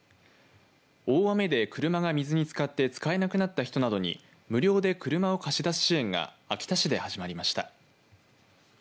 大雨で車に水がつかって使えなくなった人に無料で車を貸し出す支援が秋田市で始まりました。